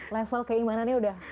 level keimanannya udah